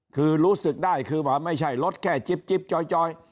คือรู้สึกได้คือว่าไม่ใช่รถแค่จิ๊บจอย